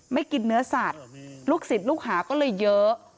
ไม่กินเนื้อสัตว์ลูกศิษย์ลูกหาก็เลยเยอะ